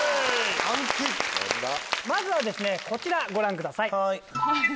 まずはこちらご覧ください。